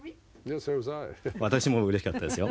私もうれしかったですよ。